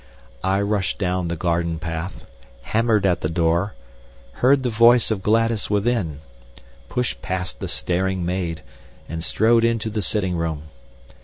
I rushed down the garden path, hammered at the door, heard the voice of Gladys within, pushed past the staring maid, and strode into the sitting room.